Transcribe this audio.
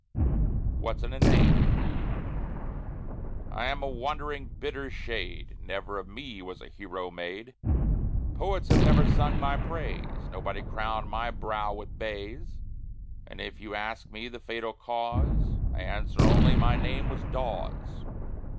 WHAT'S IN A NAME? I am a wandering, bitter shade; Never of me was a hero made; Poets have never sung my praise, Nobody crowned my brow with bays; And if you ask me the fatal cause, I answer only, "My name was Dawes."